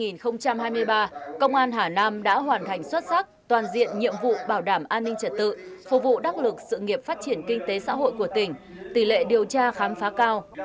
năm hai nghìn hai mươi ba công an hà nam đã hoàn thành xuất sắc toàn diện nhiệm vụ bảo đảm an ninh trật tự phục vụ đắc lực sự nghiệp phát triển kinh tế xã hội của tỉnh tỷ lệ điều tra khám phá cao